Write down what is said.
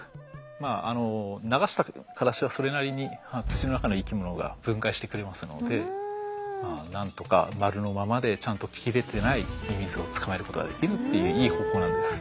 まあ流したカラシはそれなりに土の中の生き物が分解してくれますのでなんとか丸のままでちゃんと切れてないミミズを捕まえることができるっていういい方法なんです。